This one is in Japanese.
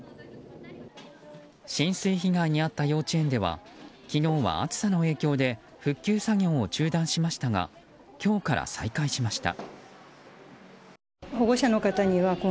浸水被害に遭った幼稚園では昨日は暑さの影響で復旧作業を中断しましたが今日から再開しました。